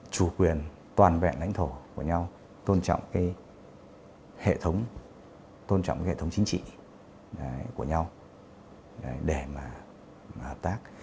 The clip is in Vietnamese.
chủ quyền toàn vẹn lãnh thổ của nhau tôn trọng cái hệ thống tôn trọng hệ thống chính trị của nhau để mà hợp tác